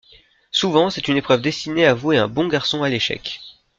Souvent c'est une épreuve destinée à vouer un bon garçon à l'échec.